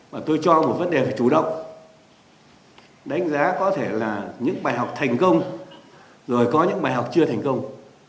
và tôi cho một vấn đề phải chủ động đánh giá có thể là những bài học thành công rồi có những bài học chưa thành công